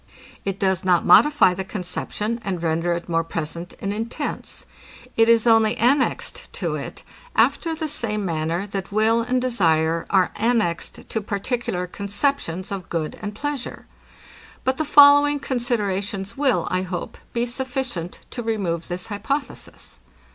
It does not modify the conception, and render it more present and intense: It is only annexed to it, after the same manner that will and desire are annexed to particular conceptions of good and pleasure. But the following considerations will, I hope, be sufficient to remove this hypothesis.